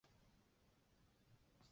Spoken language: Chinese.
振永则是词曲创作人和制作人。